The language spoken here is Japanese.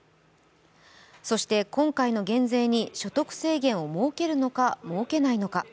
そして今回の減税に所得制限を設けるのか設けないのか。